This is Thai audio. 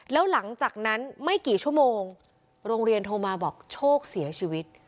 แล้วหลังจากนั้นไม่กี่ชั่วโมงโรงเรียนโทรมาบอกโชคเสียชีวิต